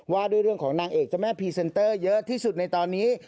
ว่าด้วยเรื่องของนางเอกเจ้าแม่พรีเซนเตอร์เยอะที่สุดในตอนนี้